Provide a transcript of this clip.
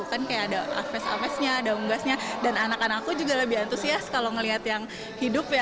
kan kayak ada aves amesnya ada unggasnya dan anak anakku juga lebih antusias kalau ngeliat yang hidup ya